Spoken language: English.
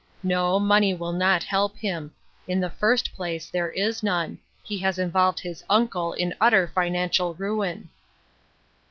No, money will not help him ; in the first place, there is none ; he has involved his uncle in utter financial ruin."